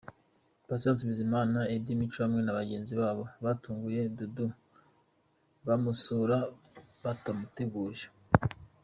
Patient Bizimana, Eddy Mico hamwe na bagenzi babo batunguye Dudu bamusura batamuteguje.